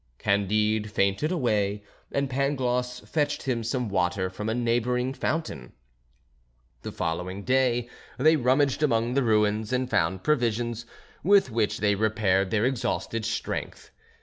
Candide fainted away, and Pangloss fetched him some water from a neighbouring fountain. The following day they rummaged among the ruins and found provisions, with which they repaired their exhausted strength.